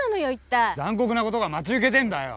残酷なことが待ち受けてんだよ。